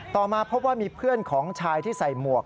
มาพบว่ามีเพื่อนของชายที่ใส่หมวก